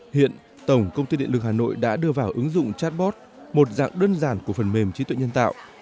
hiện tổng công ty điện lực hà nội đã đưa vào ứng dụng chatbot một dạng đơn giản của phần mềm trí tuệ nhân tạo